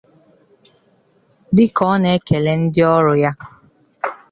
Dịka ọ na-ekele ndị ọrụ ya